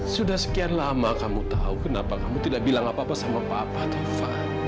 sudah sekian lama kamu tahu kenapa kamu tidak bilang apa apa sama papa atau fah